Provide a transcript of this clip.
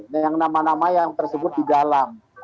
nah yang nama nama yang tersebut di dalam